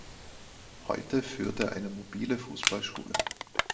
Heute führt er eine mobile Fußballschule.